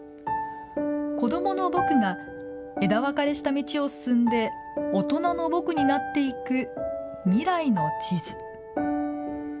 子どもの僕が枝分かれした道を進んで大人の僕になっていく未来の地図。